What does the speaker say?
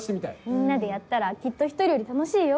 みんなでやったらきっと１人より楽しいよ。